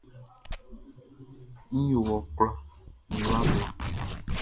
Nʼyo wɔ kula mi wa bla.